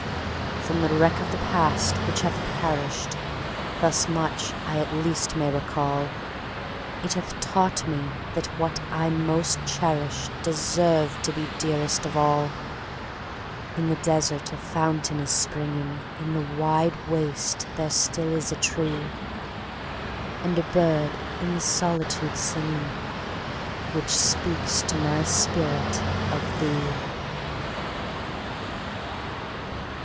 From the wreck of the past, which hath perish'd, Thus much I at least may recall, It hath taught me that what I most cherish'dDeserved to be dearest of all:In the desert a fountain is springing, In the wide waste there still is a tree, And a bird in the solitude singing, Which speaks to my spirit of thee.